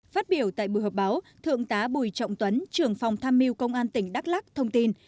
phát biểu tại buổi họp báo thượng tá bùi trọng tuấn trưởng phòng tham mưu công an tỉnh đắk lắc thông tin